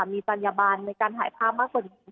มีจัญญบันในการถ่ายภาพมากกว่านี้